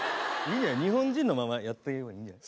日本人のままやった方がいいんじゃない？